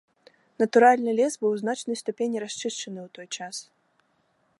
Натуральны лес быў у значнай ступені расчышчаны ў той час.